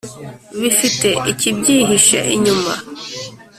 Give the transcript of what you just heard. bifite ikibyihishe inyuma.